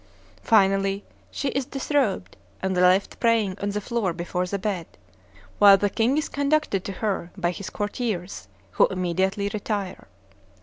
Finally, she is disrobed, and left praying on the floor before the bed, while the king is conducted to her by his courtiers, who immediately retire.